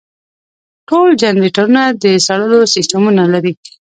ټول جنریټرونه د سړولو سیستمونه لري.